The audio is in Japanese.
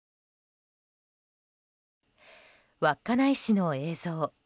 稚内市の映像。